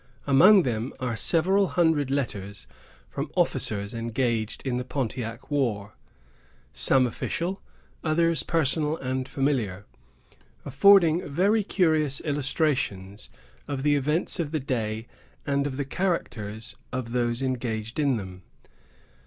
Among them are several hundred letters from officers engaged in the Pontiac war, some official, others personal and familiar, affording very curious illustrations of the events of the day and of the characters of those engaged in them.